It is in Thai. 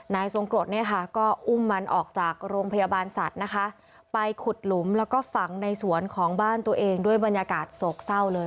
ทรงกรดเนี่ยค่ะก็อุ้มมันออกจากโรงพยาบาลสัตว์นะคะไปขุดหลุมแล้วก็ฝังในสวนของบ้านตัวเองด้วยบรรยากาศโศกเศร้าเลย